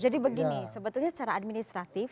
jadi begini sebetulnya secara administratif